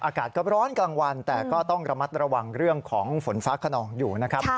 อากาศก็ร้อนกลางวันแต่ก็ต้องระมัดระวังเรื่องของฝนฟ้าขนองอยู่นะครับ